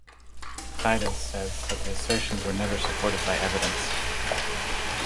Fiddes says that the assertions were never supported by evidence.